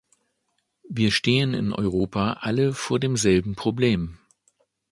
Wir stehen in Europa alle vor demselben Problem.